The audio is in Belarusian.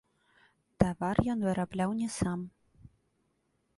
Тавар ён вырабляў не сам.